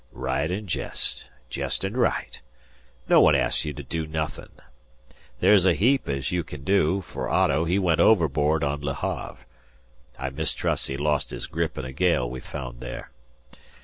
"Right an' jest; jest an' right. No one asks you to do nothin'. There's a heap as you can do, for Otto he went overboard on Le Have. I mistrust he lost his grip in a gale we f'und there.